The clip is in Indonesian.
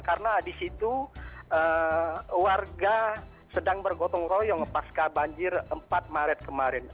karena di situ warga sedang bergotong royong pasca banjir empat maret kemarin